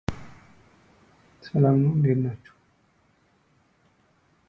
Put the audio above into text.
Trumpets peal and the consular army rises in triumph to the Capitoline Hill.